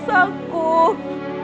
ayah yang memaksamu rati